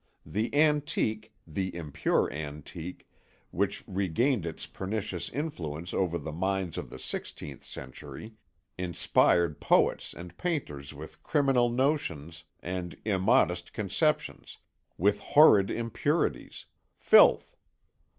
The antique, the impure antique, which regained its pernicious influence over the minds of the sixteenth century, inspired poets and painters with criminal notions and immodest conceptions, with horrid impurities, filth.